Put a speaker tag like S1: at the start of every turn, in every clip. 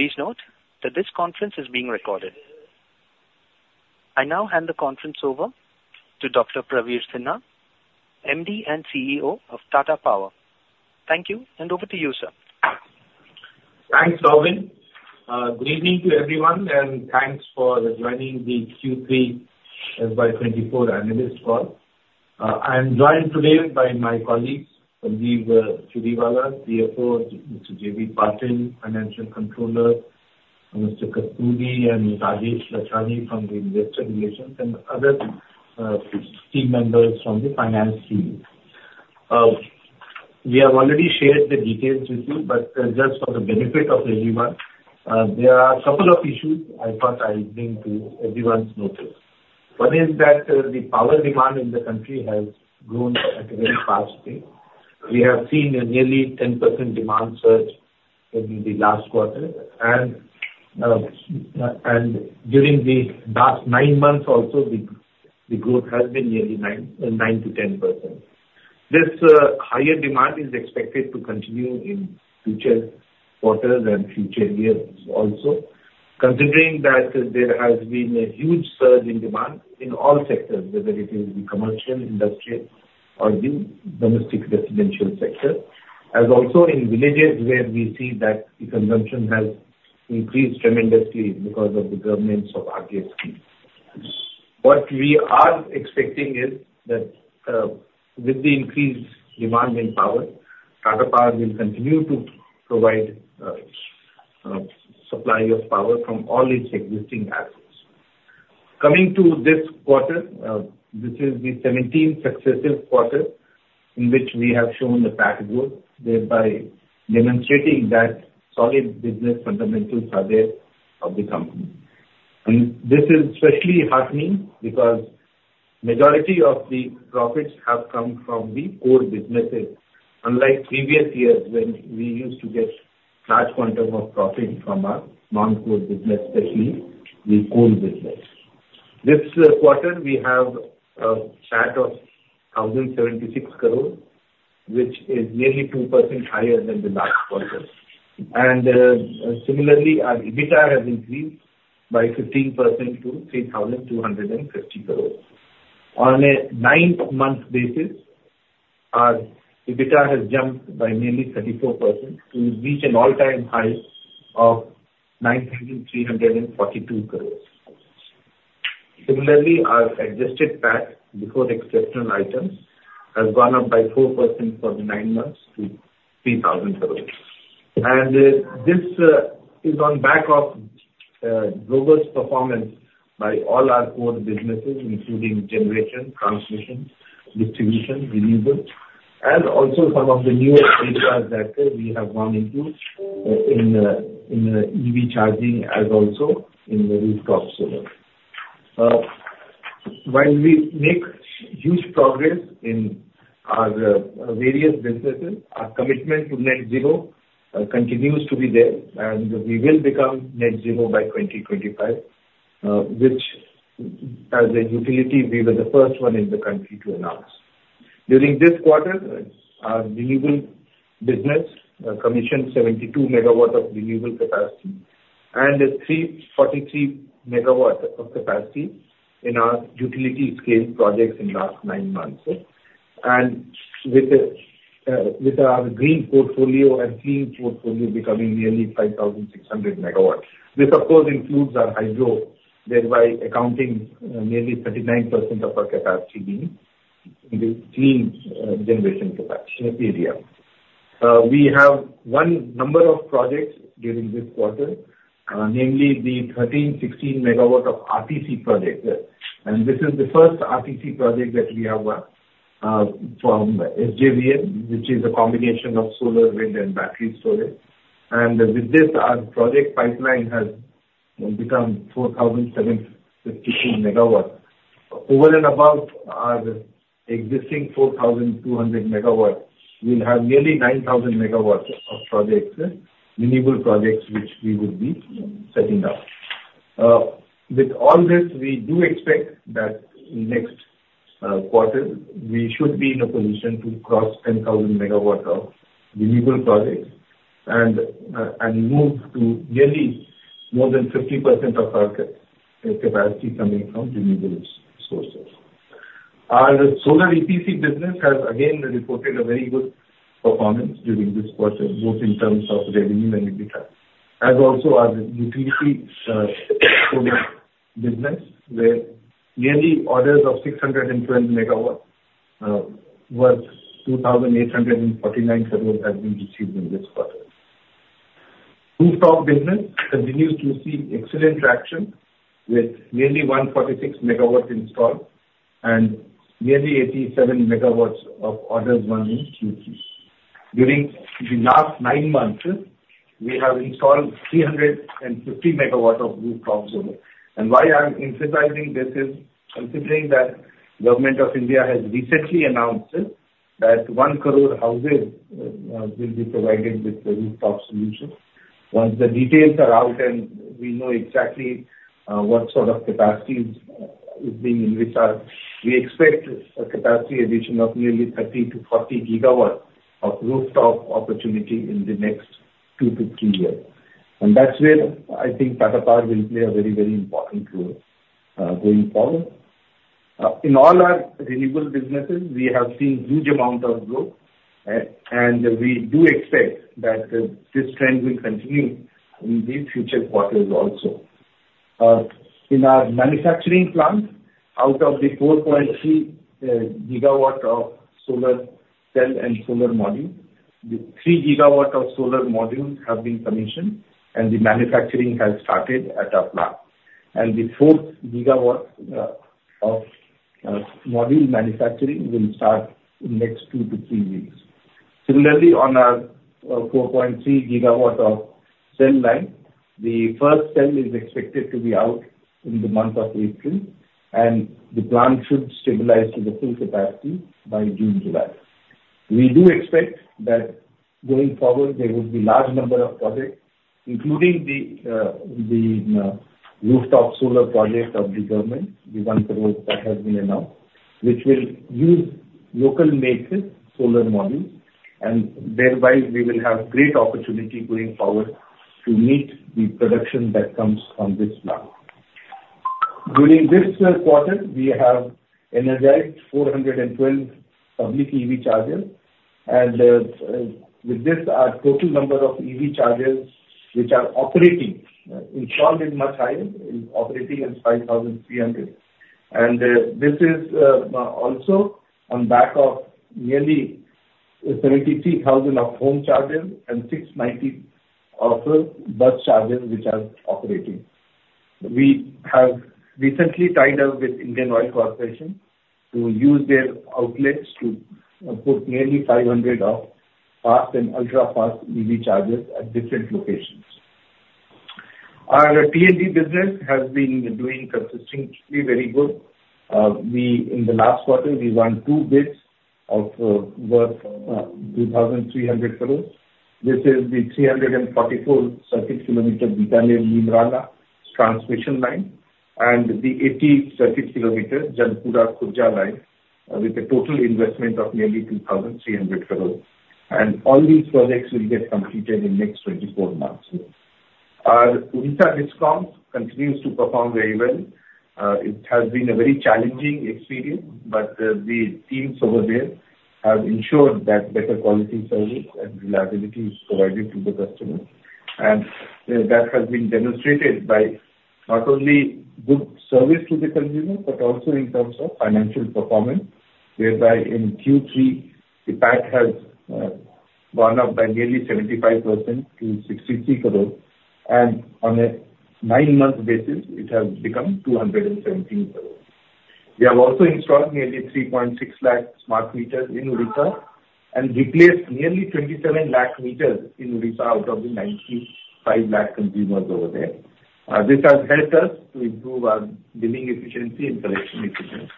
S1: Please note that this conference is being recorded. I now hand the conference over to Dr. Praveer Sinha, MD and CEO of Tata Power. Thank you, and over to you, sir.
S2: Thanks, Alvin. Good evening to everyone, and thanks for joining the Q3 FY24 analyst call. I'm joined today by my colleagues, Sanjeev Churiwala, CFO, Mr. J.V. Patil, financial controller, Mr. Kasturi, and Rajesh Lachhani from the Investor Relations, and other team members from the finance team. We have already shared the details with you, but just for the benefit of everyone, there are a couple of issues I thought I'd bring to everyone's notice. One is that the power demand in the country has grown at a very fast pace. We have seen a nearly 10% demand surge in the last quarter, and during the last nine months also, the growth has been nearly 9%-10%. This higher demand is expected to continue in future quarters and future years also, considering that there has been a huge surge in demand in all sectors, whether it is the commercial, industrial, or the domestic residential sector, as also in villages where we see that the consumption has increased tremendously because of the governance of RDSS. What we are expecting is that with the increased demand in power, Tata Power will continue to provide a supply of power from all its existing assets. Coming to this quarter, this is the 17th successive quarter in which we have shown the back-to-back growth, thereby demonstrating that solid business fundamentals are there of the company. This is especially heartening because the majority of the profits have come from the core businesses, unlike previous years when we used to get large quantum of profit from our non-core business, especially the core business. This quarter, we have a CAT of 1,076 crore, which is nearly 2% higher than the last quarter. Similarly, our EBITDA has increased by 15% to 3,250 crore. On a nine-month basis, our EBITDA has jumped by nearly 34% to reach an all-time high of 9,342 crore. Similarly, our adjusted PAT before exceptional items has gone up by 4% for the nine months to 3,000 crore. This is on back of robust performance by all our core businesses, including generation, transmission, distribution, renewables, as also some of the newest HVAC that we have gone into in EV charging as also in the rooftop solar. While we make huge progress in our various businesses, our commitment to net zero continues to be there, and we will become net zero by 2025, which as a utility, we were the first one in the country to announce. During this quarter, our renewable business commissioned 72 MW of renewable capacity and 343 MW of capacity in our utility-scale projects in the last nine months, and with our green portfolio and clean portfolio becoming nearly 5,600 MW. This, of course, includes our hydro, thereby accounting for nearly 39% of our capacity being in the clean generation area. We have a number of projects during this quarter, namely the 1,316 MW of RTC projects. And this is the first RTC project that we have from SECI, which is a combination of solar, wind, and battery storage. And with this, our project pipeline has become 4,752 MW. Over and above our existing 4,200 MW, we'll have nearly 9,000 MW of renewable projects which we would be setting up. With all this, we do expect that in the next quarter, we should be in a position to cross 10,000 MW of renewable projects and move to nearly more than 50% of our capacity coming from renewable sources. Our solar EPC business has, again, reported a very good performance during this quarter, both in terms of revenue and EBITDA, as also our utility-scale business, where nearly orders of 612 MW worth 2,849 crore has been received in this quarter. Rooftop business continues to see excellent traction with nearly 146 MW installed and nearly 87 MW of orders running Q3. During the last nine months, we have installed 350 MW of rooftop solar. Why I'm emphasizing this is considering that the Government of India has recently announced that 1 crore houses will be provided with the rooftop solution. Once the details are out and we know exactly what sort of capacity is being in reserve, we expect a capacity addition of nearly 30-40 gigawatts of rooftop opportunity in the next 2-3 years. That's where I think Tata Power will play a very, very important role going forward. In all our renewable businesses, we have seen huge amounts of growth, and we do expect that this trend will continue in the future quarters also. In our manufacturing plant, out of the 4.3 gigawatt of solar cell and solar modules, the 3 gigawatt of solar modules have been commissioned, and the manufacturing has started at our plant. The fourth gigawatt of module manufacturing will start in the next 2-3 weeks. Similarly, on our 4.3 GW cell line, the first cell is expected to be out in the month of April, and the plant should stabilize to the full capacity by June, July. We do expect that going forward, there would be a large number of projects, including the rooftop solar project of the government, the 1 crore that has been announced, which will use local-made solar modules. And thereby, we will have great opportunity going forward to meet the production that comes from this plant. During this quarter, we have energized 412 public EV chargers. And with this, our total number of EV chargers which are operating installed is much higher. It's operating at 5,300. And this is also on back of nearly 73,000 home chargers and 690 bus chargers which are operating. We have recently tied up with Indian Oil Corporation to use their outlets to put nearly 500 fast and ultra-fast EV chargers at different locations. Our T&D business has been doing consistently very good. In the last quarter, we won two bids worth 2,300 crore. This is the 344 circuit kilometer Bikaner-Neemrana transmission line and the 80 circuit kilometer Jalpura-Khurja line with a total investment of nearly 2,300 crore. All these projects will get completed in the next 24 months. Our Odisha discoms continue to perform very well. It has been a very challenging experience, but the teams over there have ensured that better quality service and reliability is provided to the customers. That has been demonstrated by not only good service to the consumer but also in terms of financial performance, thereby in Q3, the PAT has gone up by nearly 75% to 63 crore. On a 9-month basis, it has become 217 crore. We have also installed nearly 360,000 smart meters in Odisha and replaced nearly 2,700,000 meters in Odisha out of the 9,500,000 consumers over there. This has helped us to improve our billing efficiency and collection efficiency.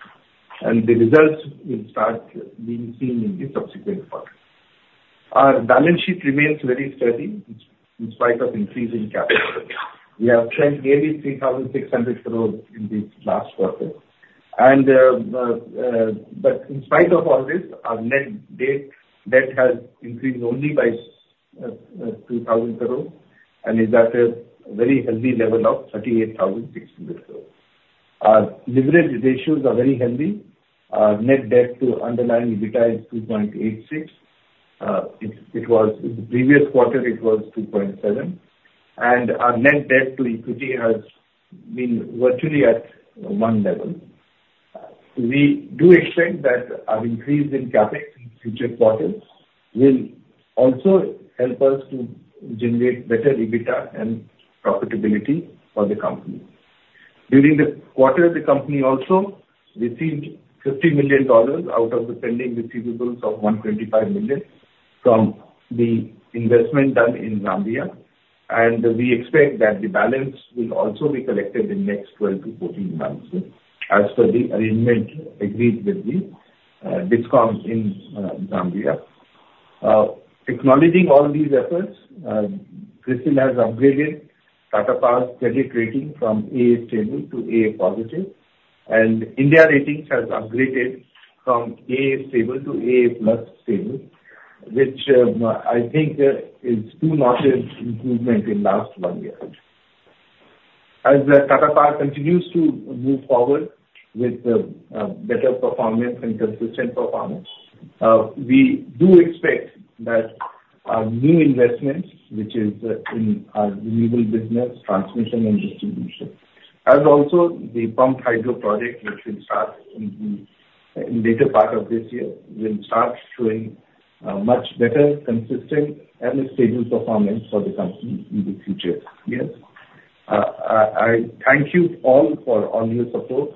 S2: The results will start being seen in the subsequent quarters. Our balance sheet remains very steady in spite of increasing capital. We have spent nearly 3,600 crore in the last quarter. In spite of all this, our net debt has increased only by 2,000 crore, and it's at a very healthy level of 38,600 crore. Our leverage ratios are very healthy. Our net debt to underlying EBITDA is 2.86. In the previous quarter, it was 2.7. Our net debt to equity has been virtually at one level. We do expect that our increase in CAPEX in future quarters will also help us to generate better EBITDA and profitability for the company. During the quarter, the company also received $50 million out of the pending receivables of $125 million from the investment done in Zambia. We expect that the balance will also be collected in the next 12-14 months as per the agreement agreed with the discount in Zambia. Acknowledging all these efforts, CRISIL has upgraded Tata Power's credit rating from AA stable to AA positive. India Ratings have upgraded from AA stable to AA+ stable, which I think is too much improvement in the last 1 year. As Tata Power continues to move forward with better performance and consistent performance, we do expect that our new investments, which is in our renewable business, transmission, and distribution, as also the pumped hydro project, which will start in the later part of this year, will start showing much better, consistent, and stable performance for the company in the future years. I thank you all for all your support.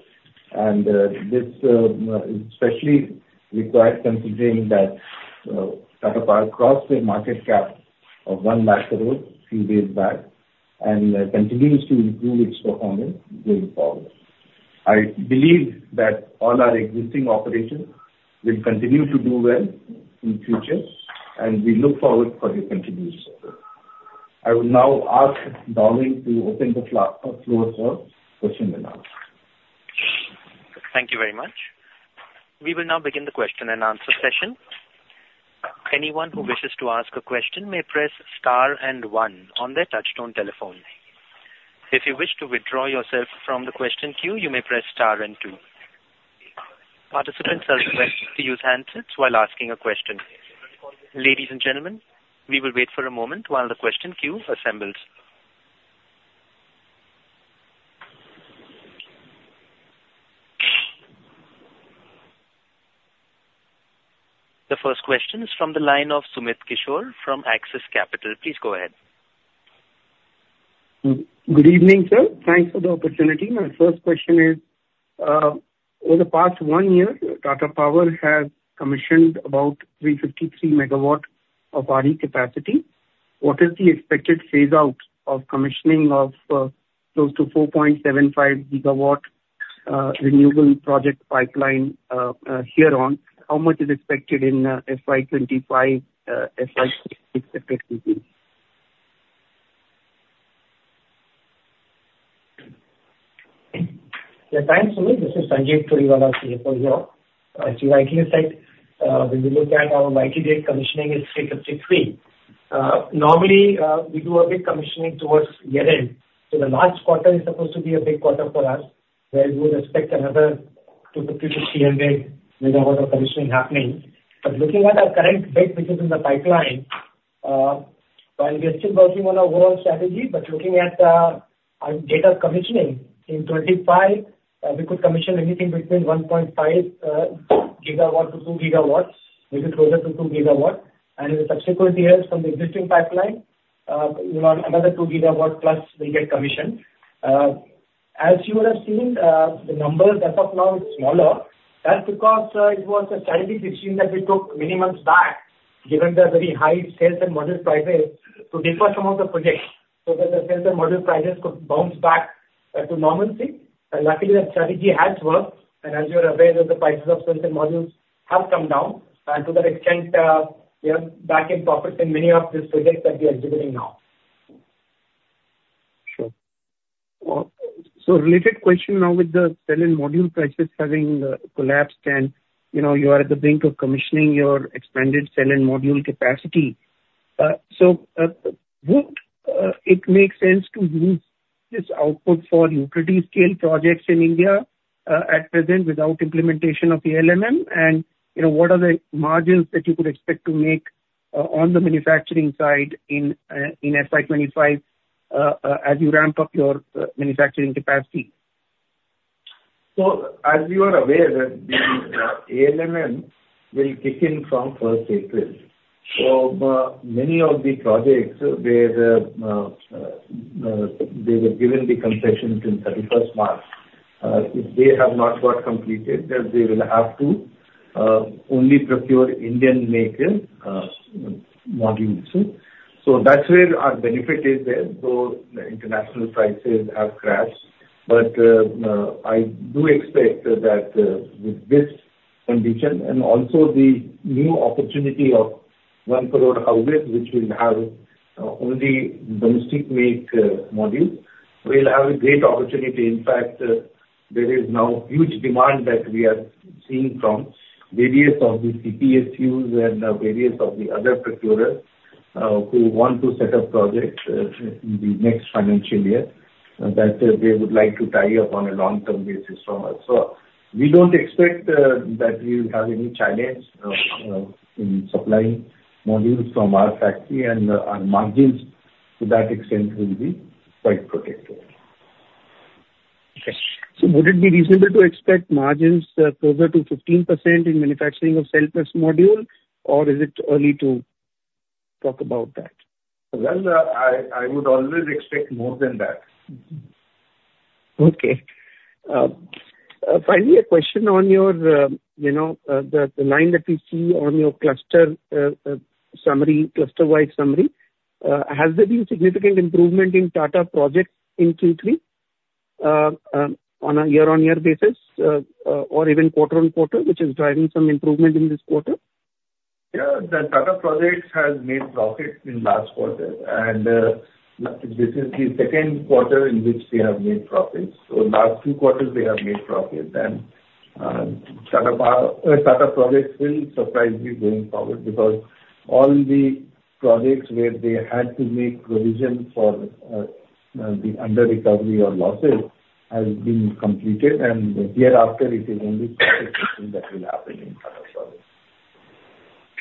S2: This is especially required considering that Tata Power crossed the market cap of 100,000 crore a few days back and continues to improve its performance going forward. I believe that all our existing operations will continue to do well in the future, and we look forward for your continued support. I will now ask Darwin to open the floor for question and answer.
S1: Thank you very much. We will now begin the question and answer session. Anyone who wishes to ask a question may press star and one on their touch-tone telephone. If you wish to withdraw yourself from the question queue, you may press star and two. Participants are requested to use hands-free while asking a question. Ladies and gentlemen, we will wait for a moment while the question queue assembles. The first question is from the line of Sumit Kishore from Axis Capital. Please go ahead.
S3: Good evening, sir. Thanks for the opportunity. My first question is, over the past one year, Tata Power has commissioned about 353 MW of RE capacity. What is the expected phase-out of commissioning of close to 4.75 GW renewable project pipeline here on? How much is expected in FY25? FY26 is expected to be.
S4: Yeah. Thanks, Sumit. This is Sanjeev Churiwala, CFO here. As you rightly said, when we look at our likely net commissioning, it's 353. Normally, we do a big commissioning towards year-end. So the last quarter is supposed to be a big quarter for us where we would expect another 250-300 MW of commissioning happening. But looking at our current bid, which is in the pipeline, while we are still working on our overall strategy, but looking at our net commissioning in 2025, we could commission anything between 1.5-2 GW. We'll be closer to 2 GW. And in the subsequent years from the existing pipeline, another 2 GW+ will get commissioned. As you would have seen, the number as of now is smaller. That's because it was a strategy we've seen that we took many months back given the very high solar cell and module prices to defer some of the projects so that the solar cell and module prices could bounce back to normalcy. Luckily, that strategy has worked. As you are aware, the prices of solar cells and modules have come down. To that extent, we are back in profits in many of these projects that we are executing now.
S3: Sure. So related question now with the cell and module prices having collapsed, and you are at the brink of commissioning your expanded cell and module capacity. So would it make sense to use this output for utility-scale projects in India at present without implementation of ALMM? And what are the margins that you could expect to make on the manufacturing side in FY25 as you ramp up your manufacturing capacity?
S2: As you are aware, the ELMM will kick in from 1st April. Many of the projects where they were given the concessions in 31st March, if they have not got completed, they will have to only procure Indian-made modules. That's where our benefit is there, though the international prices have crashed. I do expect that with this condition and also the new opportunity of 1 crore houses, which will have only domestic-made modules, we'll have a great opportunity. In fact, there is now huge demand that we are seeing from various CPSUs and various other procurers who want to set up projects in the next financial year that they would like to tie up on a long-term basis from us. We don't expect that we will have any challenge in supplying modules from our factory. Our margins, to that extent, will be quite protected.
S3: Okay. So would it be reasonable to expect margins closer to 15% in manufacturing of cell plus module, or is it early to talk about that?
S2: Well, I would always expect more than that.
S3: Okay. Finally, a question on the line that we see on your cluster summary, cluster-wide summary. Has there been significant improvement in Tata Projects in Q3 on a year-over-year basis or even quarter-over-quarter, which is driving some improvement in this quarter?
S2: Yeah. The Tata Projects have made profits in the last quarter. And this is the second quarter in which they have made profits. So last two quarters, they have made profits. And Tata Projects will surprise me going forward because all the projects where they had to make provisions for the under-recovery or losses have been completed. And year after, it is only such a question that will happen in Tata Projects.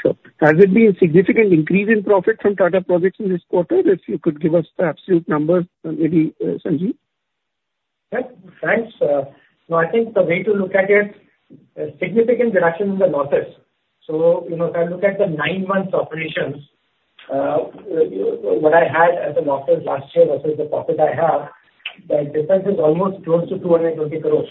S3: Sure. Has there been a significant increase in profit from Tata Projects in this quarter? If you could give us the absolute numbers, maybe, Sanjeev.
S4: Yeah. Thanks. No, I think the way to look at it, significant reduction in the losses. So if I look at the nine-month operations, what I had as a losses last year versus the profit I have, the difference is almost close to 220 crore.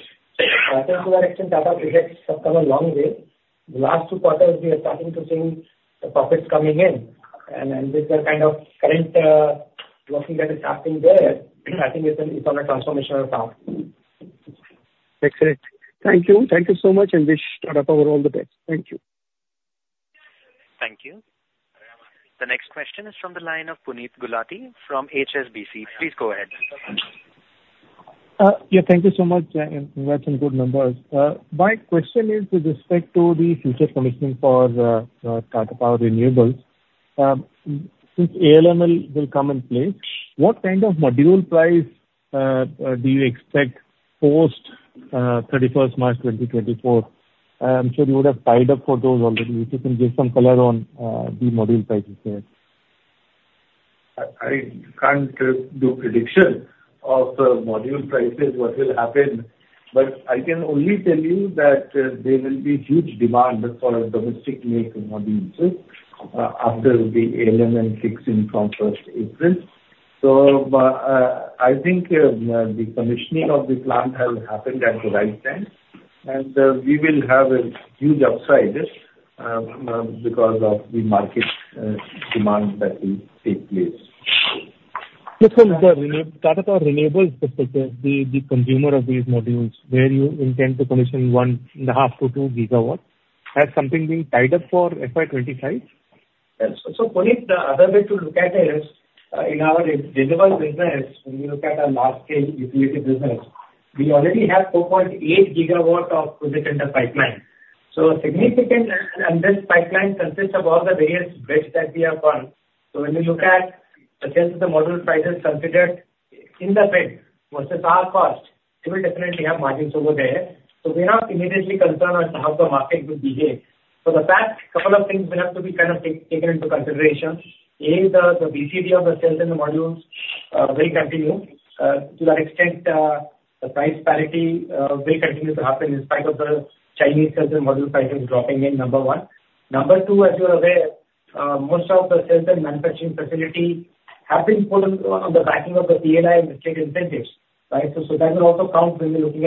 S4: I think to that extent, Tata Projects have come a long way. The last two quarters, we are starting to see the profits coming in. And with the kind of current working that is happening there, I think it's on a transformational path.
S3: Excellent. Thank you. Thank you so much. And wish Tata Power all the best. Thank you.
S1: Thank you. The next question is from the line of Puneet Gulati from HSBC. Please go ahead.
S5: Yeah. Thank you so much. That's in good numbers. My question is with respect to the future commissioning for Tata Power renewables. Since ELMM will come in place, what kind of module price do you expect post 31st March, 2024? I'm sure you would have tied up for those already, which you can give some color on the module prices there.
S2: I can't do prediction of module prices, what will happen. But I can only tell you that there will be huge demand for domestic-made modules after the ELMM kicks in from 1st April. So I think the commissioning of the plant has happened at the right time. And we will have a huge upside because of the market demand that will take place.
S5: Mr. Sinha, Tata Power renewables perspective, the consumer of these modules where you intend to commission 1.5-2 GW, has something being tied up for FY25?
S4: Yes. So Puneet, the other bit to look at is in our renewable business, when we look at our large-scale utility business, we already have 4.8 GW of project under pipeline. And this pipeline consists of all the various bids that we have gone. So when we look at the solar cell and module prices considered in the bid versus our cost, it will definitely have margins over there. So we're not immediately concerned as to how the market will behave. For the past couple of things, we have to be kind of taken into consideration. A, the BCD of the solar cells and the modules will continue. To that extent, the price parity will continue to happen in spite of the Chinese solar cells and module prices dropping in, number one. Number two, as you are aware, most of the sales and manufacturing facilities have been put on the backing of the PLI and state incentives, right? So that will also count when we're looking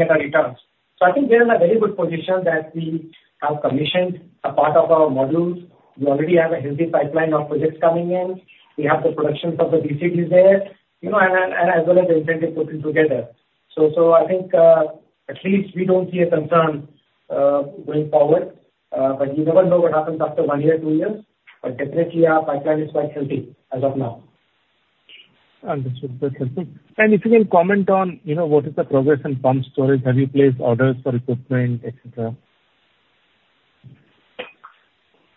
S4: at our returns. So I think we're in a very good position that we have commissioned a part of our modules. We already have a healthy pipeline of projects coming in. We have the productions of the BCDs there as well as the incentive put together. So I think at least we don't see a concern going forward. But you never know what happens after one year, two years. But definitely, our pipeline is quite healthy as of now. Understood. That's helpful. If you can comment on what is the progress in pumped storage? Have you placed orders for equipment, etc.?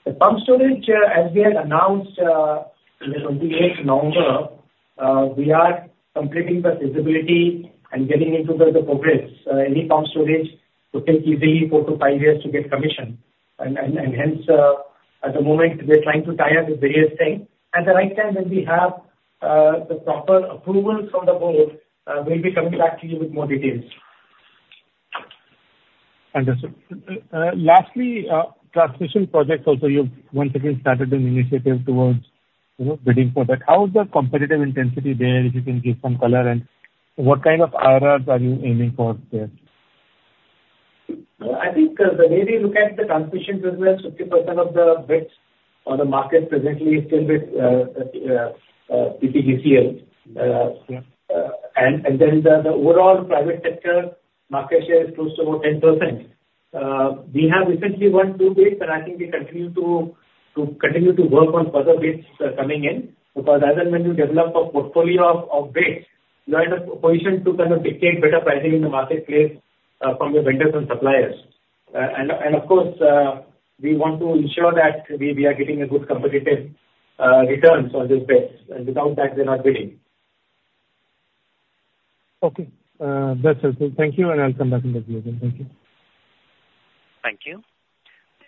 S4: The pumped storage, as we had announced in the 28th November, we are completing the feasibility and getting into the progress. Any pumped storage could take easily four to five years to get commissioned. Hence, at the moment, we're trying to tie up the various things. At the right time, when we have the proper approvals from the board, we'll be coming back to you with more details.
S5: Understood. Lastly, transmission projects also, you've once again started an initiative towards bidding for that. How is the competitive intensity there, if you can give some color? And what kind of IRRs are you aiming for there?
S4: I think the way we look at the transmission business, 50% of the bids on the market presently is still with PGCIL. And then the overall private sector market share is close to about 10%. We have recently won 2 bids, and I think we continue to work on further bids coming in because as and when you develop a portfolio of bids, you are in a position to kind of dictate better pricing in the marketplace from your vendors and suppliers. And of course, we want to ensure that we are getting a good competitive returns on these bids. And without that, they're not bidding.
S5: Okay. That's helpful. Thank you. I'll come back in the field. Thank you.
S1: Thank you.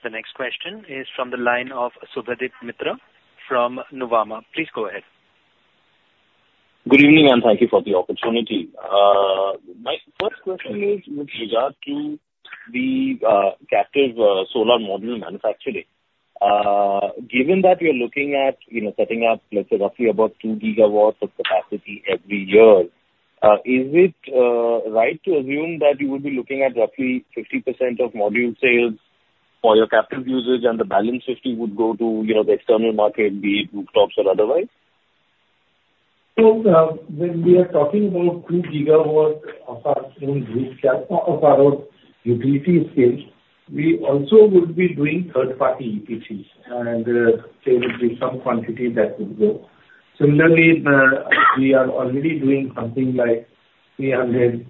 S1: The next question is from the line of Subhadip Mitra from Nuvama. Please go ahead.
S3: Good evening, and thank you for the opportunity. My first question is with regard to the captive solar module manufacturing. Given that you're looking at setting up, let's say, roughly about 2 GW of capacity every year, is it right to assume that you would be looking at roughly 50% of module sales for your captive usage and the balance 50 would go to the external market, be it rooftops or otherwise?
S2: So when we are talking about 2 GW of our own utility scale, we also would be doing third-party EPCs. And there would be some quantity that would go. Similarly, we are already doing something like 300+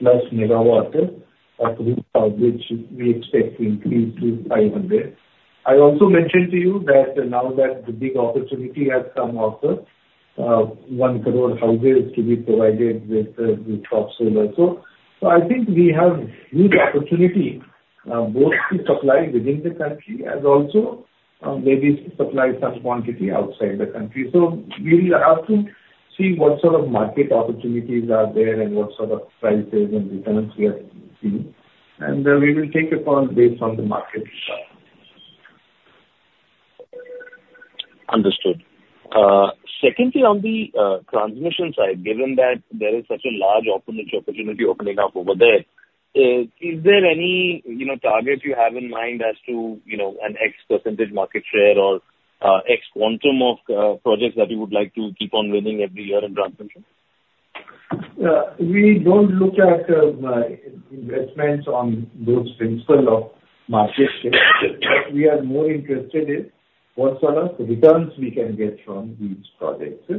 S2: MW of rooftop, which we expect to increase to 500. I also mentioned to you that now that the big opportunity has come up for 10 million houses to be provided with rooftop solar. So I think we have huge opportunity both to supply within the country and also maybe supply some quantity outside the country. So we will have to see what sort of market opportunities are there and what sort of prices and returns we are seeing. And we will take it on based on the market result.
S3: Understood. Secondly, on the transmission side, given that there is such a large opening opportunity opening up over there, is there any target you have in mind as to an X percentage market share or X quantum of projects that you would like to keep on winning every year in transmission?
S2: We don't look at investments on those principles of market share. What we are more interested in, what sort of returns we can get from these projects.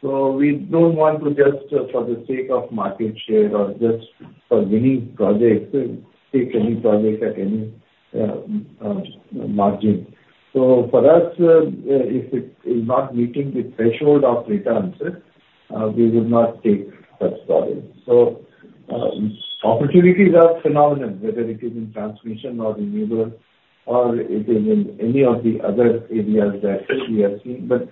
S2: So we don't want to just, for the sake of market share or just for winning projects, take any project at any margin. So for us, if it is not meeting the threshold of returns, we would not take such products. So opportunities are phenomenal, whether it is in transmission or renewable or it is in any of the other areas that we are seeing. But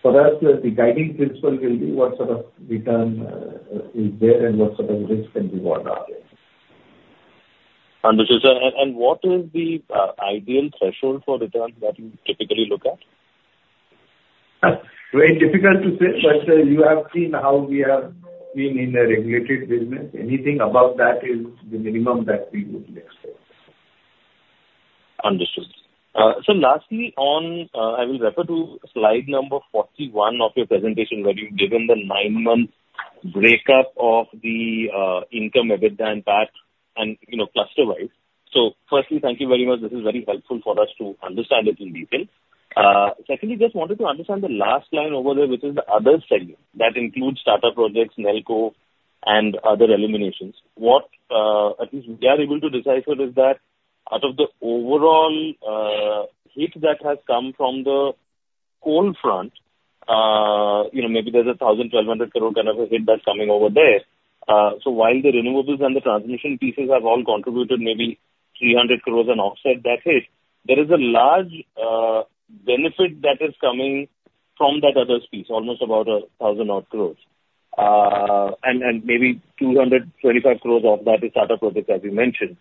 S2: for us, the guiding principle will be what sort of return is there and what sort of risk and reward are there.
S3: Understood. And what is the ideal threshold for returns that you typically look at?
S2: Very difficult to say. But you have seen how we have been in a regulated business. Anything above that is the minimum that we would expect.
S3: Understood. So lastly, I will refer to slide number 41 of your presentation where you've given the nine-month breakup of the income, EBITDA, and PAT and cluster-wise. So firstly, thank you very much. This is very helpful for us to understand it in detail. Secondly, just wanted to understand the last line over there, which is the other segment that includes Tata Projects, Nelco, and other eliminations. At least we are able to decipher is that out of the overall hit that has come from the coal front, maybe there's an 1,000-1,200 crore kind of a hit that's coming over there. So while the renewables and the transmission pieces have all contributed maybe 300 crore and offset that hit, there is a large benefit that is coming from that other piece, almost about 1,000-odd crore. And maybe 225 crore of that is Tata Projects, as you mentioned.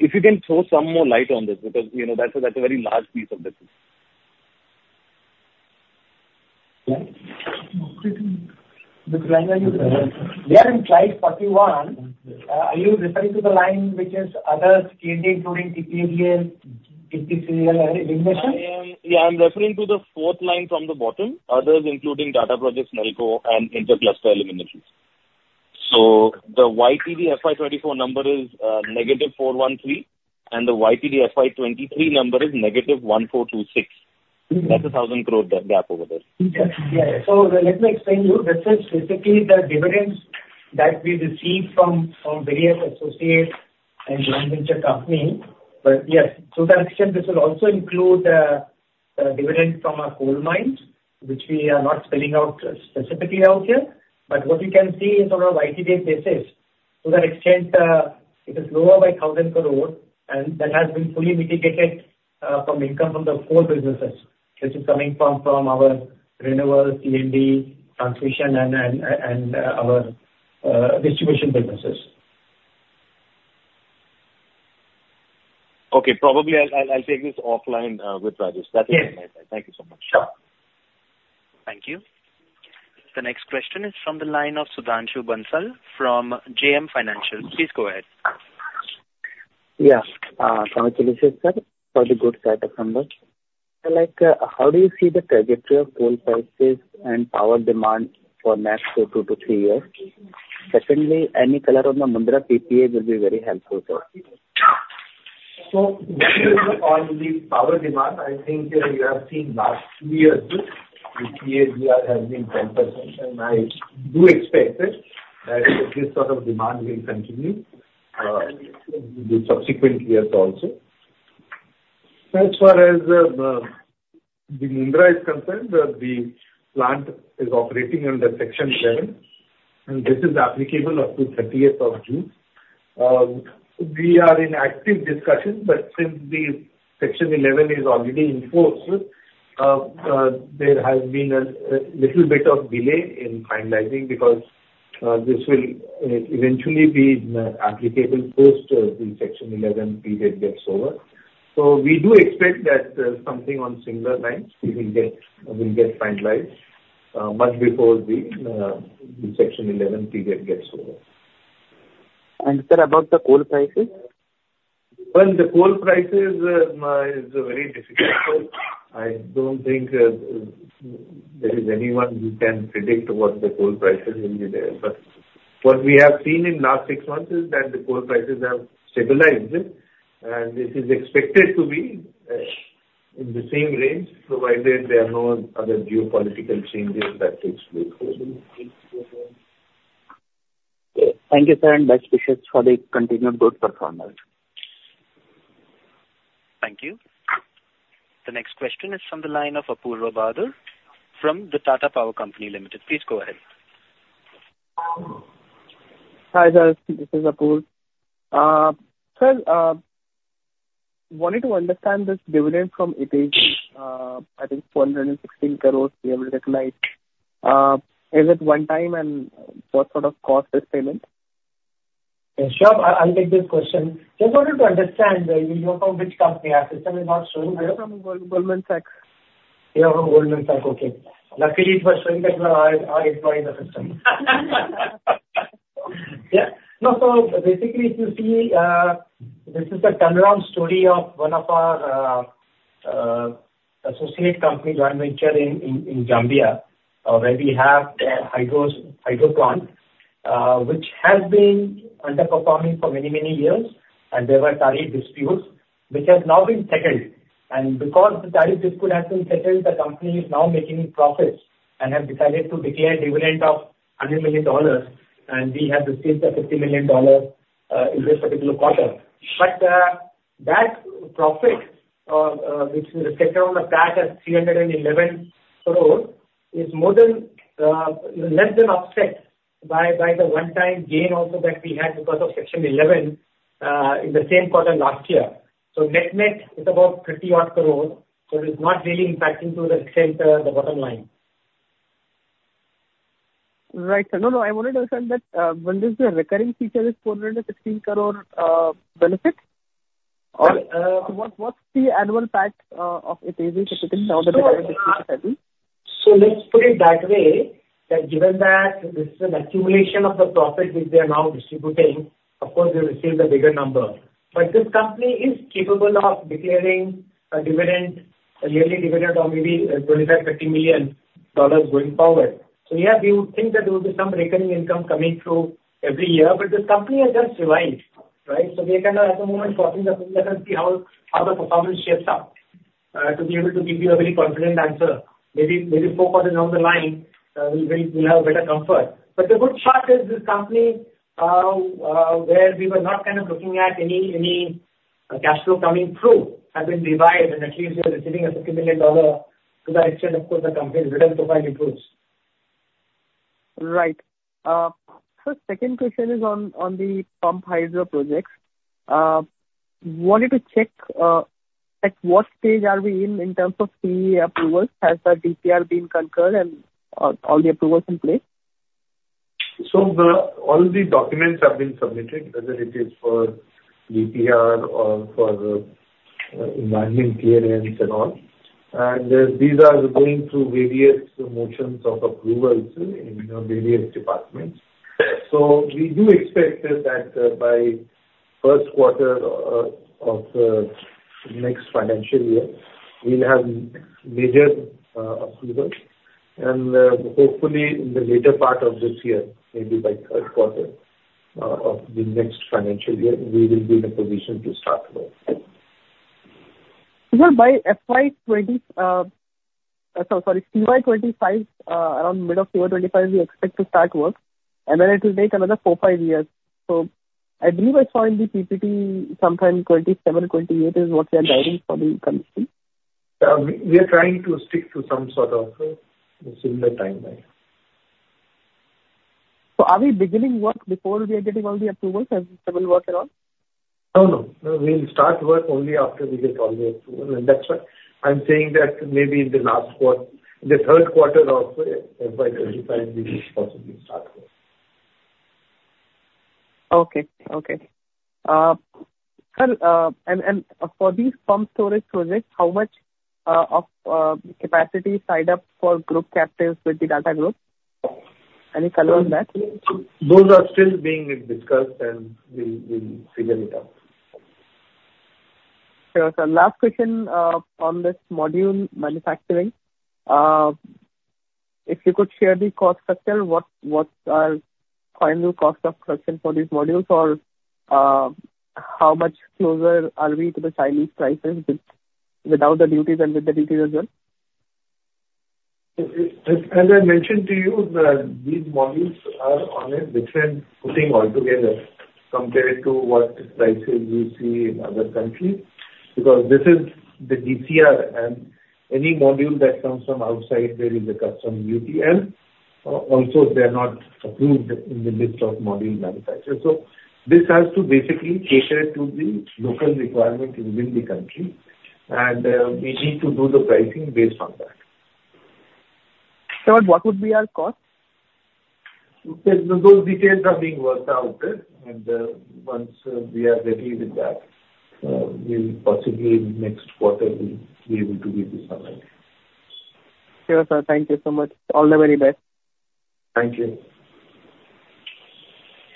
S3: If you can throw some more light on this because that's a very large piece of business.
S4: We are in slide 41. Are you referring to the line which is others, including TPADL, GPCL, and elimination?
S3: Yeah. I'm referring to the fourth line from the bottom, others including Tata Projects, Nelco, and intercluster eliminations. So the YTD FY 2024 number is -413, and the YTD FY 2023 number is -1,426. That's 1,000 crore gap over there.
S4: Yeah. Yeah. So let me explain to you. This is basically the dividends that we receive from various associates and joint venture companies. But yes, to that extent, this will also include the dividend from our coal mines, which we are not spelling out specifically out here. But what you can see is on a YTD basis, to that extent, it is lower by 1,000 crore. And that has been fully mitigated from income from the coal businesses, which is coming from our renewable, CND, transmission, and our distribution businesses.
S3: Okay. Probably, I'll take this offline with Rajesh. That is on my side. Thank you so much.
S1: Sure. Thank you. The next question is from the line of Sudhanshu Bansal from JM Financial. Please go ahead.
S6: Yes. Thank you, sir, for the good set of numbers. How do you see the trajectory of coal prices and power demand for next 2-3 years? Secondly, any color on the Mundra PPA will be very helpful, sir.
S2: So when we look on the power demand, I think you have seen last two years, the PADR has been 10%. And I do expect that this sort of demand will continue in the subsequent years also. As far as the Mundra is concerned, the plant is operating under Section 11. And this is applicable up to 30th of June. We are in active discussion. But since Section 11 is already enforced, there has been a little bit of delay in finalizing because this will eventually be applicable post the Section 11 period gets over. So we do expect that something on similar lines will get finalized much before the Section 11 period gets over.
S6: Sir, about the coal prices?
S2: Well, the coal prices is very difficult. I don't think there is anyone who can predict what the coal prices will be there. What we have seen in the last six months is that the coal prices have stabilized. This is expected to be in the same range provided there are no other geopolitical changes that take place.
S6: Thank you, sir. Best wishes for the continued good performance.
S1: Thank you. The next question is from the line of Apoorva Bahadur from the Goldman Sachs. Please go ahead.
S7: Hi, sir. This is Apoorva. Sir, wanted to understand this dividend from ITPC, I think 416 crore we have recognized. Is it one-time and what sort of cost is payment?
S4: Sure. I'll take this question. Just wanted to understand, you're from which company? Our system is not showing well.
S7: We're from Goldman Sachs.
S4: You're from Goldman Sachs. Okay. Luckily, it was showing that we are employing the system. Yeah. No. So basically, if you see, this is a turnaround story of one of our associate company joint venture in Zambia where we have a hydroplant, which has been underperforming for many, many years. And there were tariff disputes, which have now been settled. And because the tariff dispute has been settled, the company is now making profits and have decided to declare dividend of $100 million. And we have received a $50 million in this particular quarter. But that profit, which is reflected on the PAT as 311 crore, is less than offset by the one-time gain also that we had because of Section 11 in the same quarter last year. So net-net, it's about 30-odd crore. So it is not really impacting to the extent the bottom line.
S7: Right. No, no. I wanted to understand that when this is a recurring feature, is 416 crore benefit? Or what's the annual PAT of EPADL, particularly now that the tariff dispute has happened?
S4: So let's put it that way, that given that this is an accumulation of the profit which they are now distributing, of course, they receive a bigger number. But this company is capable of declaring a yearly dividend of maybe $25 million-$30 million going forward. So yeah, we would think that there would be some recurring income coming through every year. But this company has just survived, right? So we are kind of, at the moment, watching the situation and see how the performance shapes up to be able to give you a very confident answer. Maybe four quarters down the line, we'll have better comfort. But the good part is this company where we were not kind of looking at any cash flow coming through has been revived. And at least we are receiving a $50 million. To that extent, of course, the company's return profile improves.
S7: Right. Sir, second question is on the pumped hydro projects. Wanted to check, at what stage are we in terms of PE approvals? Has the DPR been concurred and all the approvals in place?
S2: So all the documents have been submitted, whether it is for DPR or for environmental clearance and all. And these are going through various motions of approvals in various departments. So we do expect that by first quarter of next financial year, we'll have major approvals. And hopefully, in the later part of this year, maybe by third quarter of the next financial year, we will be in a position to start work.
S7: Sir, by FY25, around mid of FY25, we expect to start work. And then it will take another 4-5 years. So I believe I saw in the PPT sometime 2027, 2028 is what we are guiding for the commission.
S2: We are trying to stick to some sort of similar timeline.
S7: Are we beginning work before we are getting all the approvals? Has the civil work at all?
S2: No, no. We'll start work only after we get all the approvals. That's why I'm saying that maybe in the last quarter, in the third quarter of FY25, we will possibly start work.
S7: Okay. Okay. Sir, and for these pumped storage projects, how much of capacity is tied up for group captives with the Tata Group? Any color on that?
S2: Those are still being discussed. And we'll figure it out.
S7: Sure. Sir, last question on this module, manufacturing. If you could share the cost structure, what are final costs of production for these modules? Or how much closer are we to the Chinese prices without the duties and with the duties as well?
S2: I mentioned to you that these modules are on a different footing altogether compared to what prices you see in other countries because this is the DCR. Any module that comes from outside, there is a customs duty. Also, they are not approved in the list of module manufacturers. So this has to basically cater to the local requirement within the country. We need to do the pricing based on that.
S7: Sir, what would be our cost?
S2: Those details are being worked out. Once we are ready with that, possibly next quarter, we'll be able to give you some idea.
S7: Sure, sir. Thank you so much. All the very best.
S4: Thank you.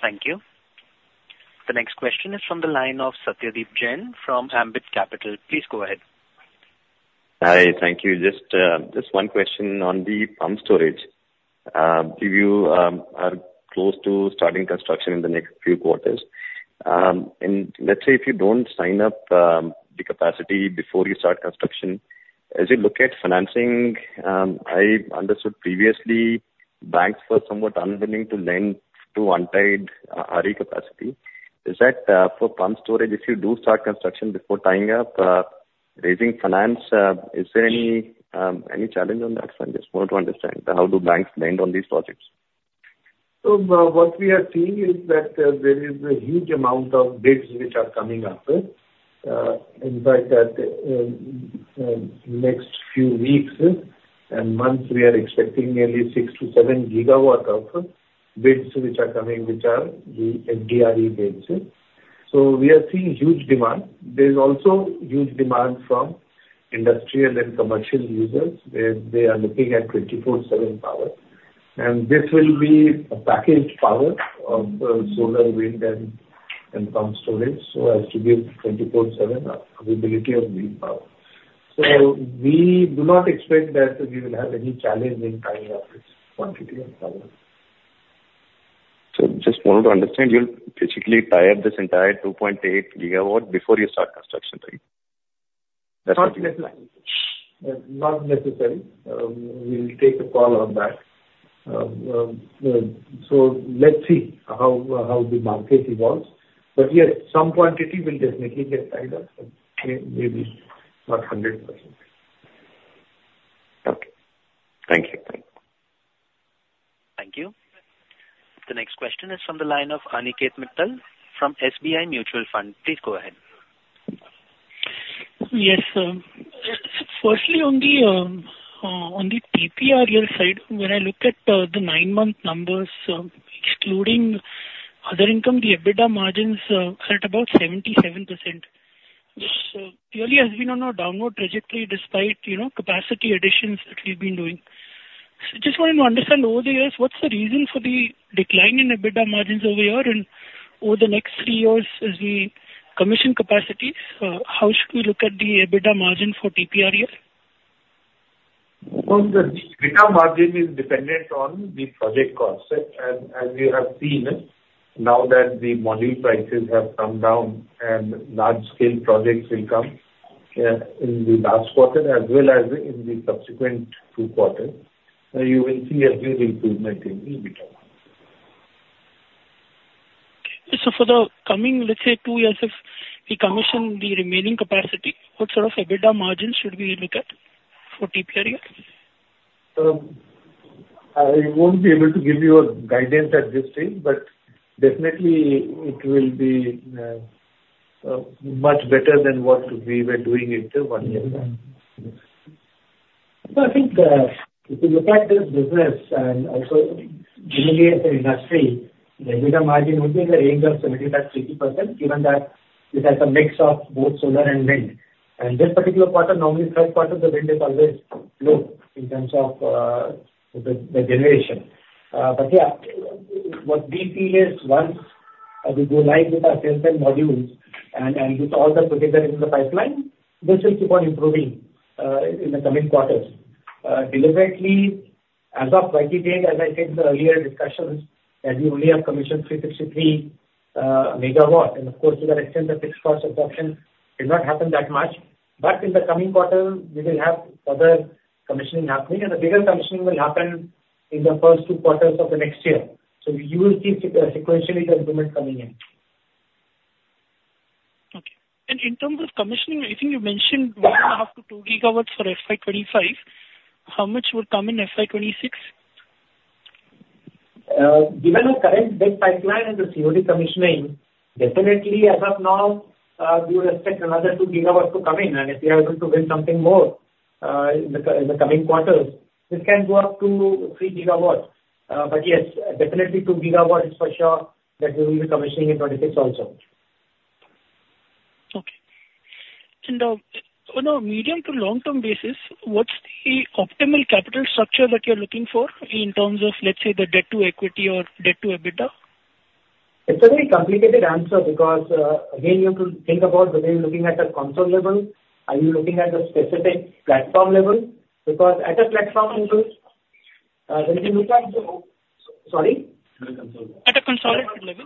S1: Thank you. The next question is from the line of Satyadeep Jain from Ambit Capital. Please go ahead.
S8: Hi. Thank you. Just one question on the pumped storage. If you are close to starting construction in the next few quarters, and let's say if you don't sign up the capacity before you start construction, as you look at financing, I understood previously banks were somewhat unwilling to lend to untied RE capacity. Is that for pumped storage, if you do start construction before tying up, raising finance, is there any challenge on that front? Just wanted to understand. How do banks lend on these projects?
S2: What we are seeing is that there is a huge amount of bids which are coming up. In fact, in the next few weeks and months, we are expecting nearly 6-7 GW of bids which are coming, which are the FDRE bids. We are seeing huge demand. There's also huge demand from industrial and commercial users where they are looking at 24/7 power. This will be a packaged power of solar, wind, and pumped storage so as to give 24/7 availability of wind power. We do not expect that we will have any challenge in tying up this quantity of power.
S8: Just wanted to understand, you'll basically tie up this entire 2.8 gigawatt before you start construction, right? That's what you're saying?
S2: Not necessary. We'll take a call on that. So let's see how the market evolves. But yes, some quantity will definitely get tied up, but maybe not 100%.
S8: Okay. Thank you. Thank you.
S1: Thank you. The next question is from the line of Aniket Mittal from SBI Mutual Fund. Please go ahead.
S9: Yes, sir. Firstly, on the PPR yield side, when I look at the nine-month numbers, excluding other income, the EBITDA margin is at about 77%. So clearly, there has been no downward trajectory despite capacity additions that we've been doing. So I just wanted to understand over the years, what's the reason for the decline in EBITDA margins over here? And over the next three years, as we commission capacities, how should we look at the EBITDA margin for TPREL yield?
S2: Well, the EBITDA margin is dependent on the project cost. As you have seen, now that the module prices have come down and large-scale projects will come in the last quarter as well as in the subsequent two quarters, you will see a huge improvement in EBITDA.
S9: So for the coming, let's say, 2 years, if we commission the remaining capacity, what sort of EBITDA margin should we look at for TPREL?
S2: I won't be able to give you a guidance at this stage. Definitely, it will be much better than what we were doing one year back.
S4: I think if we look at this business and also generally as an industry, the EBITDA margin would be in the range of 75%-80% given that it has a mix of both solar and wind. This particular quarter, normally third quarter, the wind is always low in terms of the generation. But yeah, what we feel is once we go live with our cell-type modules and with all the criteria in the pipeline, this will keep on improving in the coming quarters. Deliberately, as of Friday, as I said in the earlier discussions, that we only have commissioned 363 MW. Of course, to that extent, the fixed cost absorption did not happen that much. But in the coming quarter, we will have further commissioning happening. And the bigger commissioning will happen in the first two quarters of the next year. So you will see sequentially the improvement coming in.
S9: Okay. In terms of commissioning, I think you mentioned 1.5-2 gigawatts for FY25. How much would come in FY26?
S4: Given our current bid pipeline and the COD commissioning, definitely, as of now, we will expect another 2 GW to come in. If we are able to win something more in the coming quarters, this can go up to 3 GW. Yes, definitely 2 GW is for sure that we will be commissioning in 2026 also.
S9: Okay. On a medium to long-term basis, what's the optimal capital structure that you're looking for in terms of, let's say, the debt-to-equity or debt-to-EBITDA?
S10: It's a very complicated answer because, again, you have to think about the way you're looking at the consol level. Are you looking at the specific platform level? Because at a platform level, when you look at the sorry? At a consol level?
S9: At a consol level?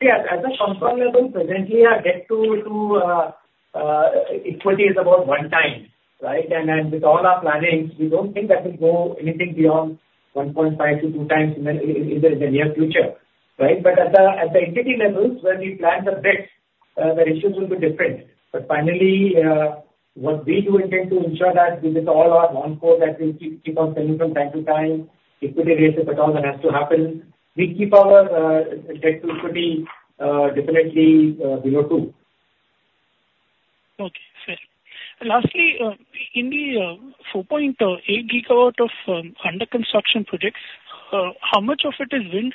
S4: Yes. At a console level, presently, our debt-to-equity is about 1 time, right? And with all our planning, we don't think that will go anything beyond 1.5-2 times in the near future, right? But at the entity levels where we plan the bids, the ratio will be different. But finally, what we do intend to ensure that with all our non-core that we keep on selling from time to time, equity raises at all that has to happen, we keep our debt-to-equity definitely below 2.
S9: Okay. Fair. Lastly, in the 4.8 GW of under-construction projects, how much of it is wind?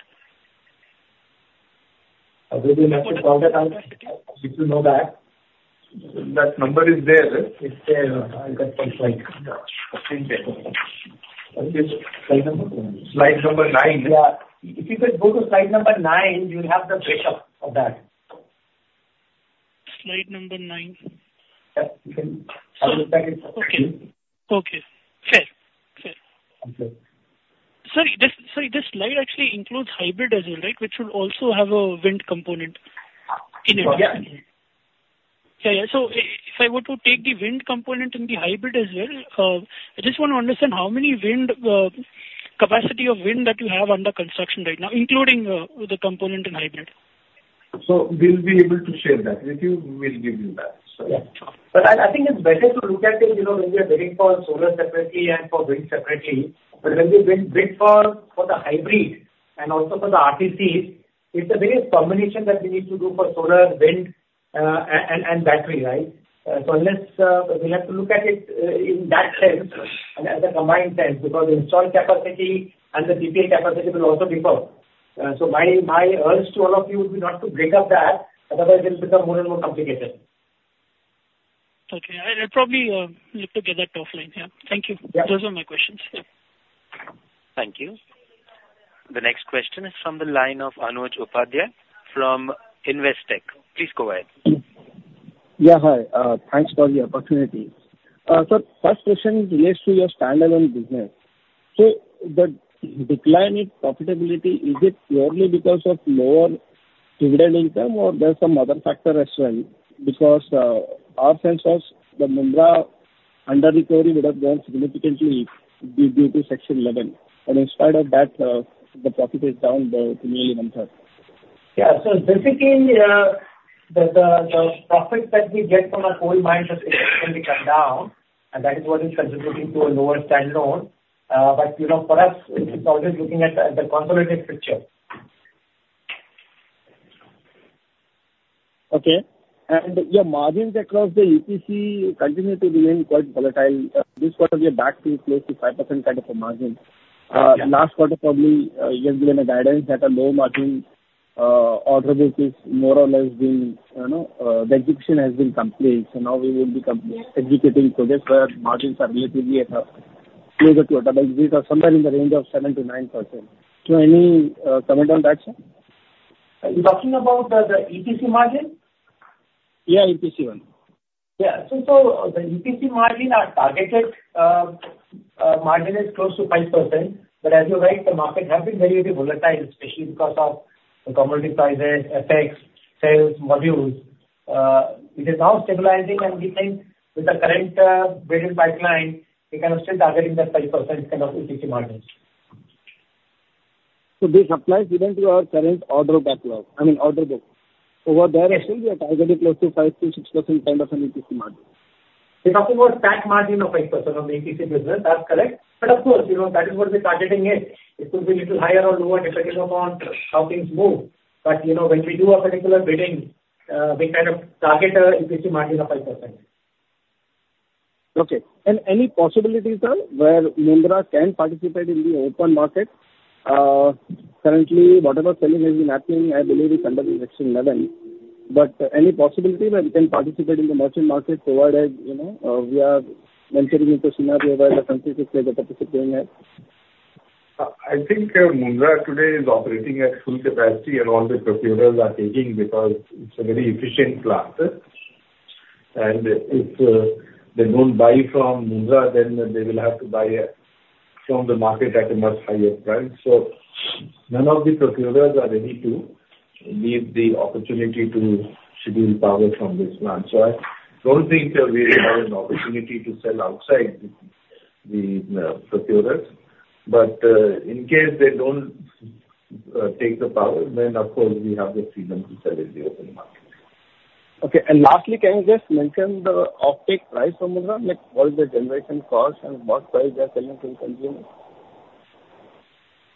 S4: Will you be able to call that out? If you know that. That number is there. I've got some slides. Slide number? Slide number 9. Yeah. If you could go to slide number 9, you'll have the breakup of that.
S9: Slide number 9?
S4: Yeah. I'll look at it.
S9: Okay. Okay. Fair. Fair.
S4: Okay.
S9: Sorry. Sorry. This slide actually includes hybrid as well, right, which will also have a wind component in it?
S4: Oh, yeah.
S9: Yeah, yeah. So if I were to take the wind component and the hybrid as well, I just want to understand how many capacity of wind that you have under construction right now, including the component in hybrid?
S2: So we'll be able to share that with you. We'll give you that. Sorry.
S4: But I think it's better to look at it when we are bidding for solar separately and for wind separately. But when we bid for the hybrid and also for the RTCs, it's a very combination that we need to do for solar, wind, and battery, right? So unless we have to look at it in that sense and as a combined sense because the installed capacity and the PPA capacity will also differ. So my urge to all of you would be not to break up that. Otherwise, it'll become more and more complicated.
S9: Okay. I'll probably look together offline. Yeah. Thank you. Those are my questions. Yeah.
S1: Thank you. The next question is from the line of Anuj Upadhyay from Investec. Please go ahead.
S11: Yeah. Hi. Thanks for the opportunity. Sir, first question relates to your standalone business. So the decline in profitability, is it purely because of lower dividend income? Or there's some other factor as well? Because our sense was the Mundra under-recovery would have gone significantly due to Section 11. But in spite of that, the profit is down to nearly one-third.
S4: Yeah. So basically, the profit that we get from our coal mines has significantly come down. And that is what is contributing to a lower standalone. But for us, it's always looking at the consolidated picture.
S11: Okay. And yeah, margins across the EPC continue to remain quite volatile. This quarter we are back to close to 5% kind of a margin. Last quarter probably yields been a guidance that a low margin order book is more or less been the execution has been complete. So now we would be executing projects where margins are relatively closer to a double digit or somewhere in the range of 7%-9%. So any comment on that, sir?
S4: You're talking about the EPC margin?
S11: Yeah. EPC 1.
S4: Yeah. So the EPC margin, our targeted margin is close to 5%. But as you write, the market has been very, very volatile, especially because of the commodity prices, effects of solar modules. It is now stabilizing. And we think with the current graded pipeline, we can still target the 5% kind of EPC margins.
S11: So this applies even to our current order backlog. I mean, order book.
S4: Over there, still we are targeting close to 5%-6% kind of an EPC margin. You're talking about pack margin of 5% on the EPC business. That's correct. But of course, that is what we're targeting is. It could be a little higher or lower depending upon how things move. But when we do a particular bidding, we kind of target an EPC margin of 5%.
S11: Okay. Any possibilities, sir, where Mundra can participate in the open market? Currently, whatever selling has been happening, I believe, is under the Section 11. But any possibility where we can participate in the merchant market provided we are venturing into Sinha, where the countries which we are participating at?
S2: I think Mundra today is operating at full capacity. All the purchasers are taking because it's a very efficient plant. If they don't buy from Mundra, then they will have to buy from the market at a much higher price. None of the purchasers are ready to leave the opportunity to take power from this plant. I don't think we have an opportunity to sell outside the purchasers. In case they don't take the power, then of course, we have the freedom to sell in the open market.
S11: Okay. Lastly, can you just mention the uptake price for Mundra? What is the generation cost and what price they're selling to the consumers?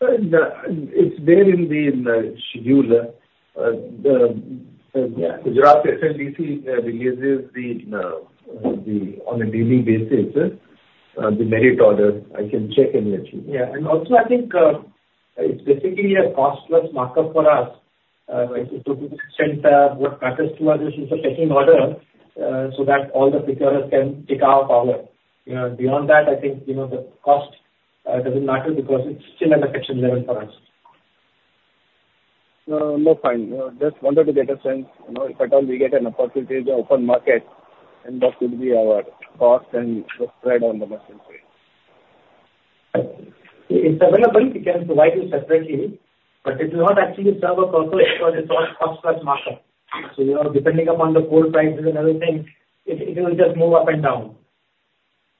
S2: It's there in the schedule. Gujarat SLDC releases on a daily basis the merit order. I can check in your channel.
S11: Yeah. And also, I think it's basically a cost-plus markup for us, right, to the extent what matters to us is the pecking order so that all the procurers can take our power. Beyond that, I think the cost doesn't matter because it's still under Section 11 for us. No, fine. Just wanted to get a sense. If at all we get an opportunity in the open market, then what would be our cost and the spread on the merchant trade?
S4: It's available. We can provide you separately. But it will not actually serve a purpose because it's all cost-plus markup. So depending upon the coal prices and everything, it will just move up and down.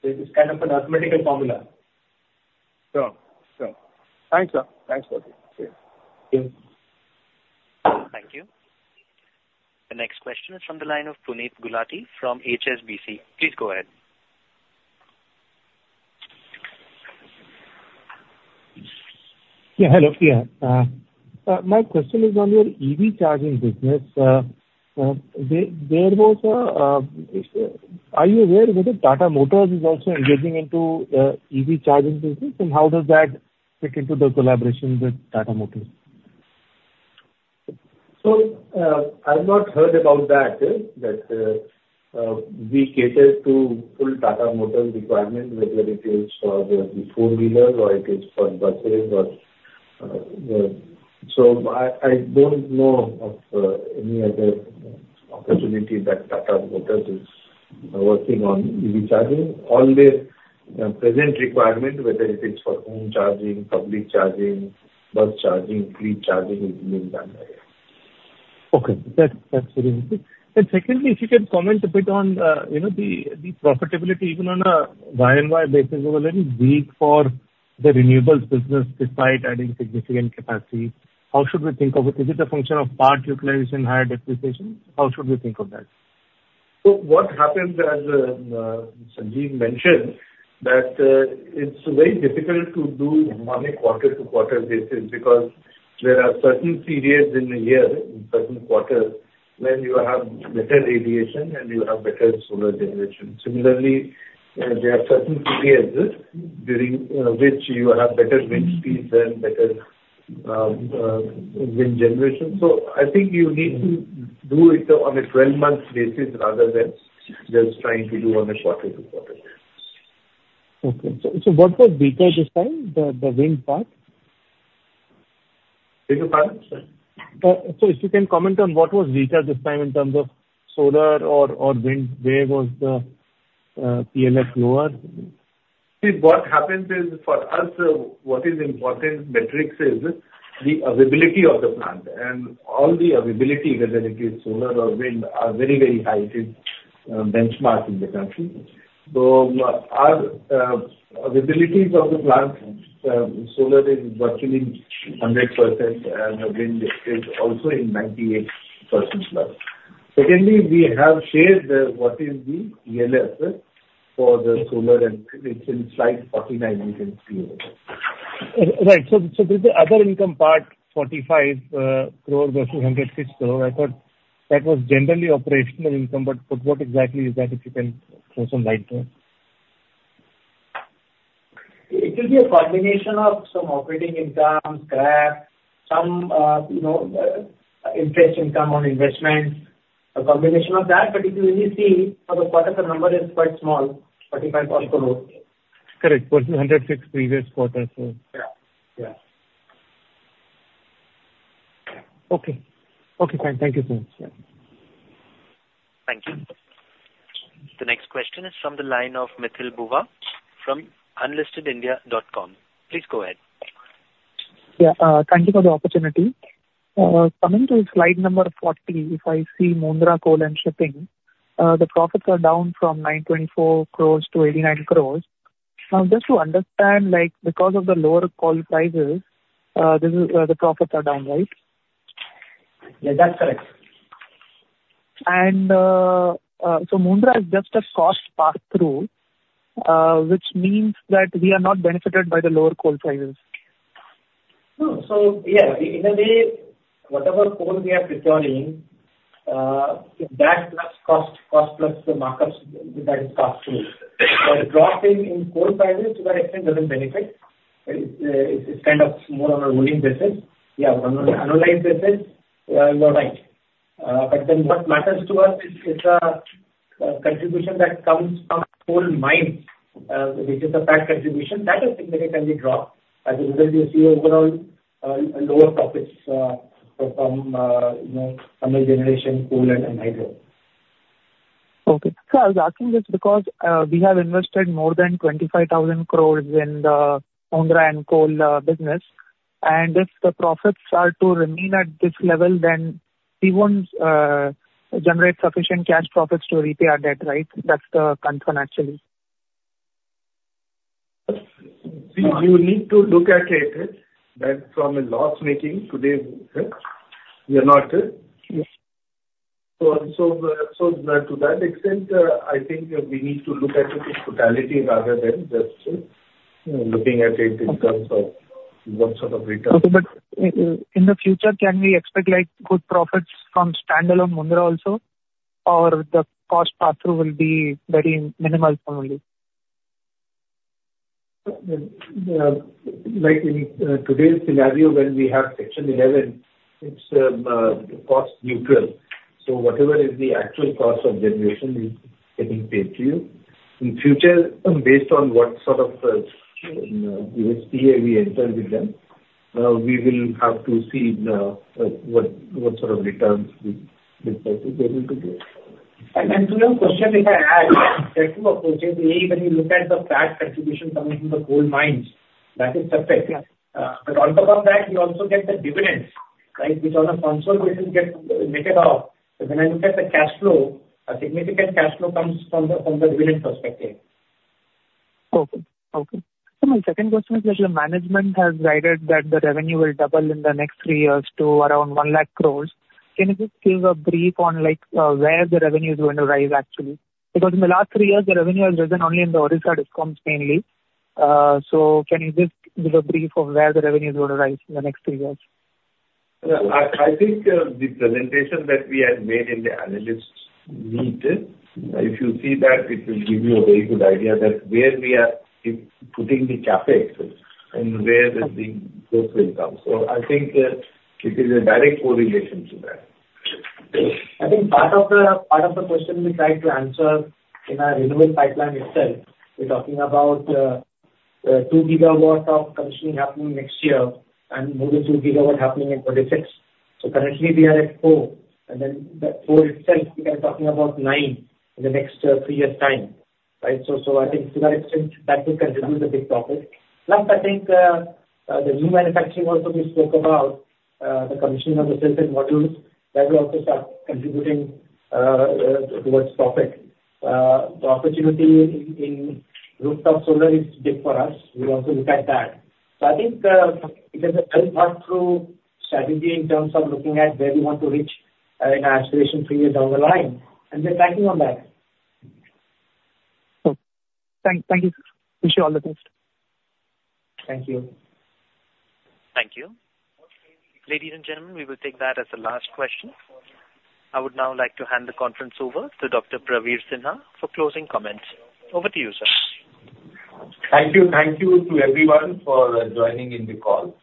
S4: So it's kind of an arithmetical formula.
S11: Sure. Sure. Thanks, sir. Thanks for it.
S4: Thank you.
S1: Thank you. The next question is from the line of Puneet Gulati from HSBC. Please go ahead.
S5: Yeah. Hello. Yeah. My question is on your EV charging business. There was a, are you aware whether Tata Motors is also engaging into the EV charging business? And how does that fit into the collaboration with Tata Motors?
S2: I've not heard about that, that we cater to full Tata Motors requirement, whether it is for the four-wheelers or it is for buses or so. I don't know of any other opportunity that Tata Motors is working on EV charging. All their present requirement, whether it is for home charging, public charging, bus charging, fleet charging, is being done there.
S5: Okay. That's very interesting. And secondly, if you can comment a bit on the profitability, even on a YoY basis, year-over-year for the renewables business despite adding significant capacity, how should we think of it? Is it a function of plant utilization, higher depreciation? How should we think of that?
S2: So what happens, as Sanjeev mentioned, that it's very difficult to do on a quarter-to-quarter basis because there are certain periods in the year, in certain quarters, when you have better radiation and you have better solar generation. Similarly, there are certain periods during which you have better wind speeds and better wind generation. So I think you need to do it on a 12-month basis rather than just trying to do on a quarter-to-quarter.
S5: Okay. So what was weaker this time, the wind part?
S4: Wind part? Sorry.
S5: So if you can comment on what was weaker this time in terms of solar or wind, where was the PLF lower?
S2: See, what happens is, for us, what is important metrics is the availability of the plant. All the availability, whether it is solar or wind, are very, very high. It is benchmark in the country. So our availabilities of the plant, solar is virtually 100%. And wind is also in 98% plus. Secondly, we have shared what is the ELS for the solar and wind. It's in slide 49. You can see it.
S5: Right. So there's the other income part, 45 crore versus 160 crore. I thought that was generally operational income. But what exactly is that, if you can throw some light on it?
S4: It will be a combination of some operating income, scrap, some interest income on investments, a combination of that. But if you really see, for the quarter, the number is quite small, INR 45 crore.
S5: Correct. Versus 106 previous quarters.
S4: Yeah. Yeah.
S5: Okay. Okay. Fine. Thank you so much. Yeah.
S1: Thank you. The next question is from the line of Mithil Bhuva from unlistedindia.com. Please go ahead.
S12: Yeah. Thank you for the opportunity. Coming to slide number 40, if I see Mundra coal and shipping, the profits are down from 924 crore to 89 crore. Now, just to understand, because of the lower coal prices, the profits are down, right?
S4: Yeah. That's correct.
S12: Mundra is just a cost pass-through, which means that we are not benefited by the lower coal prices.
S4: No. So yeah. In a way, whatever coal we are procuring, that plus cost, cost plus the markups, that is pass-through. But dropping in coal prices to that extent doesn't benefit. It's kind of more on a ruling basis. Yeah. On an annualized basis, you are right. But then what matters to us is a contribution that comes from coal mines, which is a packed contribution. That has significantly dropped. As a result, you see overall lower profits from thermal generation, coal, and hydro.
S12: Okay. I was asking just because we have invested more than 25,000 crore in the Mundra and coal business. And if the profits are to remain at this level, then we won't generate sufficient cash profits to repay our debt, right? That's the concern, actually.
S2: See, you need to look at it from a loss-making today. You're not. So to that extent, I think we need to look at it in totality rather than just looking at it in terms of what sort of return.
S12: Okay. But in the future, can we expect good profits from standalone Mundra also? Or the cost pass-through will be very minimal only?
S2: In today's scenario, when we have Section 11, it's cost-neutral. So whatever is the actual cost of generation is getting paid to you. In future, based on what sort of PPA we enter with them, we will have to see what sort of returns we're able to get. And to your question, if I add, there are two approaches. A, when you look at the packed contribution coming from the coal mines, that is perfect. But on top of that, you also get the dividends, right, which on a console basis get knocked off. But when I look at the cash flow, a significant cash flow comes from the dividend perspective.
S12: Okay. Okay. So my second question is that the management has guided that the revenue will double in the next three years to around 100,000 crore. Can you just give a brief on where the revenue is going to rise, actually? Because in the last three years, the revenue has risen only in the Odisha discoms, mainly. So can you just give a brief of where the revenue is going to rise in the next three years?
S2: I think the presentation that we had made in the analysts' meet, if you see that, it will give you a very good idea that where we are putting the CAPEX and where the growth will come. So I think it is a direct correlation to that.
S4: I think part of the question we tried to answer in our renewable pipeline itself, we're talking about 2 GW of commissioning happening next year and more than 2 GW happening in 2046. So currently, we are at 4. And then that 4 itself, we are talking about 9 in the next three years' time, right? So I think to that extent, that will contribute a big profit. Plus, I think the new manufacturing also we spoke about, the commissioning of the cells and modules, that will also start contributing towards profit. The opportunity in rooftop solar is big for us. We'll also look at that. So I think it is a well thought-through strategy in terms of looking at where we want to reach in our aspiration three years down the line. And we're tackling on that.
S12: Okay. Thank you. Wish you all the best.
S4: Thank you.
S1: Thank you. Ladies and gentlemen, we will take that as the last question. I would now like to hand the conference over to Dr. Praveer Sinha for closing comments. Over to you, sir.
S2: Thank you. Thank you to everyone for joining in the call.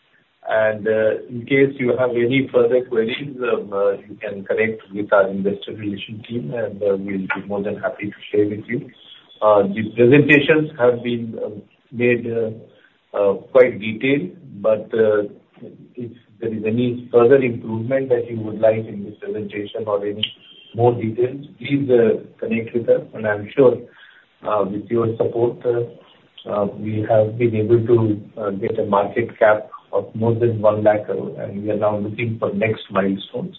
S2: In case you have any further queries, you can connect with our investor relations team. We'll be more than happy to share with you. The presentations have been made quite detailed. But if there is any further improvement that you would like in this presentation or any more details, please connect with us. I'm sure with your support, we have been able to get a market cap of more than 100,000 crore. We are now looking for next milestones.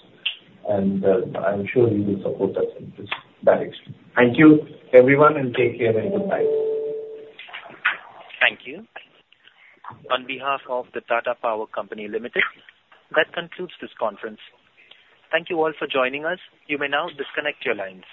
S2: I'm sure you will support us in that extent. Thank you, everyone. Take care. Goodbye.
S1: Thank you. On behalf of the Tata Power Company Limited, that concludes this conference. Thank you all for joining us. You may now disconnect your lines.